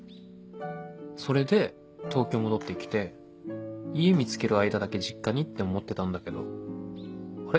それで東京戻ってきて家見つける間だけ実家にって思ってたんだけどあれ？